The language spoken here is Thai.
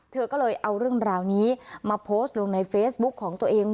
เธอก็เลยเอาเรื่องราวนี้มาโพสต์ลงในเฟซบุ๊คของตัวเอง